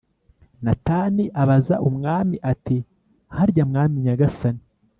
Natani abaza umwami ati “Harya, mwami nyagasani